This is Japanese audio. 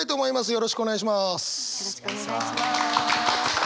よろしくお願いします。